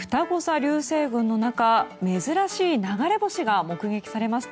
流星群の中珍しい流れ星が目撃されました。